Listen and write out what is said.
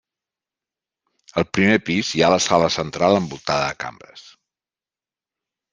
Al primer pis hi ha la sala central envoltada de cambres.